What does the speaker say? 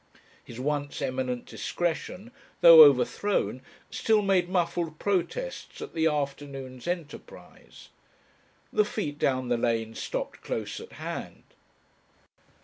His once eminent discretion, though overthrown, still made muffled protests at the afternoon's enterprise. The feet down the lane stopped close at hand.